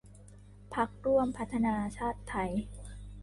พรรคร่วมพัฒนาชาติไทย